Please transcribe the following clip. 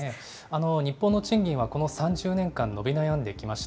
日本の賃金はこの３０年間、伸び悩んできました。